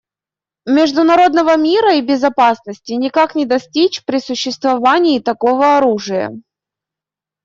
Международного мира и безопасности никак не достичь при существовании такого оружия.